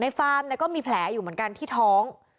ฟาร์มก็มีแผลอยู่เหมือนกันที่ท้อง